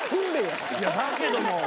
いやだけども。